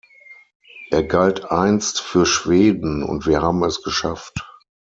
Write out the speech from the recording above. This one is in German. Er galt einst für Schweden und wir haben es geschafft.